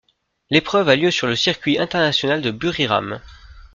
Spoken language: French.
L'épreuve a lieu sur le Circuit international de Buriram.